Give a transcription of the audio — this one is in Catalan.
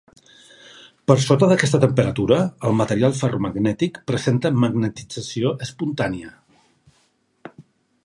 Per sota d'aquesta temperatura, el material ferromagnètic presenta magnetització espontània.